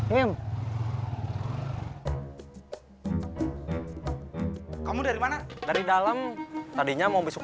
hmm kamu dari mana dari dalam tadinya mau besok